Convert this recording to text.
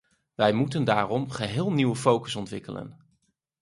Wij moeten daarom een geheel nieuwe focus ontwikkelen.